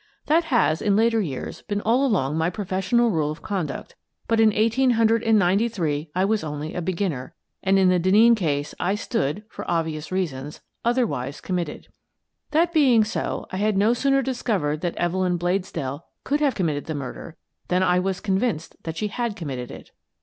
That has, in later years, been all along my pro fessional rule of conduct, but in eighteen hundred and ninety three I was only a beginner, and in the Denneen case I stood, for obvious reasons, other wise committed. That being so, I had no sooner discovered that Evelyn Bladesdell could have com mitted the murder than I was convinced that she had committed it.